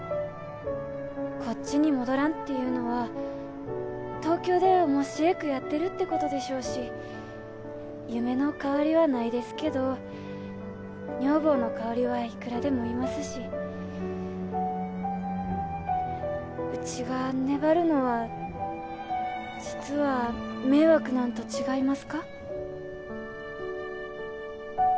こっちに戻らんっていうのは東京でおもっしぇえくやってるってことでしょうし夢の代わりはないですけど女房の代わりはいくらでもいますしうちが粘るのは実は迷惑なんと違いますか？